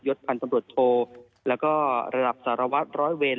ศพันธ์ตำรวจโทแล้วก็ระดับสารวัตรร้อยเวร